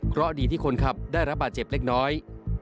เพราะดีที่คนขับได้รับบาดเจ็บเล็กน้อย